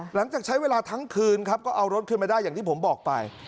หลังจากใช้เวลาทั้งคืนครับก็เอารถขึ้นมาได้อย่างที่ผมบอกไป